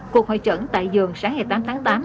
cuộc hội trận tại giường sáng ngày tám tháng tám